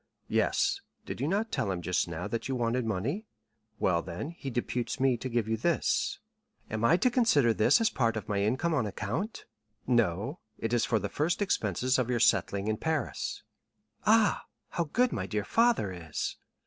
"Yes; did you not tell him just now that you wanted money? Well, then, he deputes me to give you this." "Am I to consider this as part of my income on account?" "No, it is for the first expenses of your settling in Paris." "Ah, how good my dear father is!"